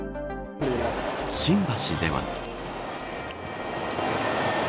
新橋では。